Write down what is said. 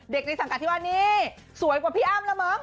เด็กในสังกัดที่วันนี้สวยกว่าพี่อ้ำแล้วเหมือน